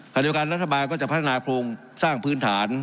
ขณะเดียวกันรัฐบาลก็จะพัฒนาโครงสร้างพื้นฐาน